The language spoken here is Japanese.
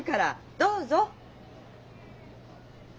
どうぞ。